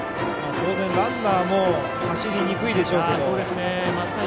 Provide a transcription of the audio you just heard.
当然、ランナーも走りにくいでしょうけど。